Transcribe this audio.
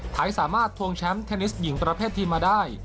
ไทยสามารถทวงแชมป์เทนนิสหญิงประเภททีมมาได้